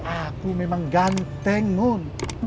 aku memang ganteng mun